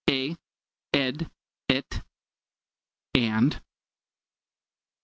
E, ed, et and.